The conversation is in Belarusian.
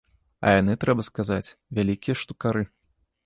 А яны, трэба сказаць, вялікія штукары.